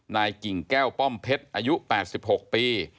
กิ่งแก้วป้อมเพชรอายุ๘๖ปี